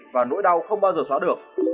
và nỗi đau không bao giờ xóa được